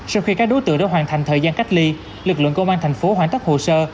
sau khi các đối tượng đã hoàn thành thời gian cách ly lực lượng công an thành phố hoàn tất hồ sơ